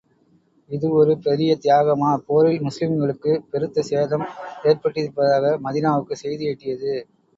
இது ஒரு பெரிய தியாகமா? போரில் முஸ்லிம்களுக்குப் பெருத்த சேதம் ஏற்பட்டிருப்பதாக மதீனாவுக்குச் செய்தி எட்டியது.